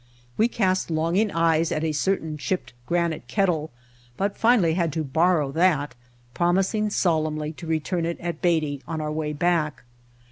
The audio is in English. We cast long ing eyes at a certain chipped, granite kettle, but finally had to borrow that, promising solemnly to return it at Beatty on our way back.